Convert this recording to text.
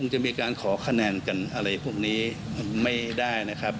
จะมีการขอคะแนนกันอะไรพวกนี้ไม่ได้นะครับ